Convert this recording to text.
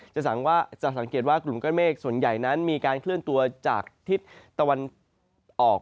จะสังเกตว่ากลุ่มก้อนเมฆส่วนใหญ่นั้นมีการเคลื่อนตัวจากทิศตะวันออก